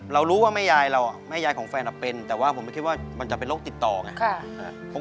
เรารู้ว่าแม่ยายเราแม่ยายของแฟนเป็นแต่ว่าผมไม่คิดว่ามันจะเป็นโรคติดต่อไง